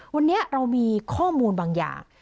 วันนี้เรามีข้อมูลบางอย่าง